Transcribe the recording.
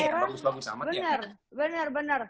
bagus bagus amat ya benar benar